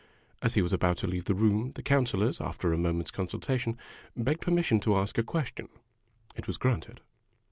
As he was about to leave the room, the Councilors, after a moment's consultation, begged permission to ask a question. It was granted.